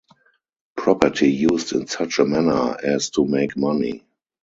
Property used in such a manner as to make money.